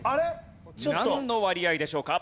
なんの割合でしょうか？